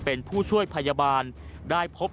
มันกลับมาแล้ว